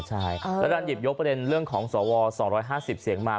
ใช่แล้วการหยิบยกประเด็นเรื่องของสว๒๕๐เสียงมา